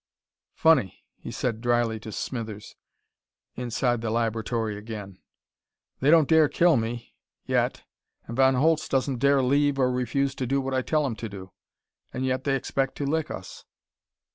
"Funny," he said dryly to Smithers, inside the laboratory again; "they don't dare kill me yet and Von Holtz doesn't dare leave or refuse to do what I tell him to do; and yet they expect to lick us."